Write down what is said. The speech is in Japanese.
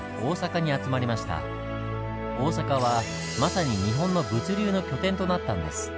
大阪はまさに日本の物流の拠点となったんです。